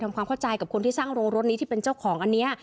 ความเข้าใจกับคนที่สร้างโรงรถนี้ที่เป็นเจ้าของอันนี้